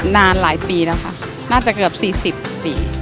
นานหลายปีแล้วค่ะน่าจะเกือบ๔๐ปี